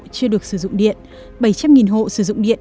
chưa được sử dụng điện bảy trăm linh hộ sử dụng điện